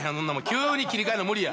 急に切り替えるの無理や。